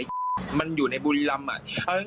ใช่ครับที่